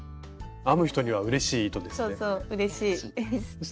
編む人にはうれしい糸ですね。